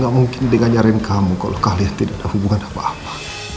gak mungkin dia nyariin kamu kalo kalian tidak ada hubungan apa apa